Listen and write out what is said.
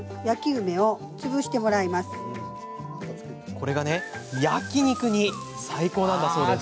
これが焼き肉に最高なんだそうです。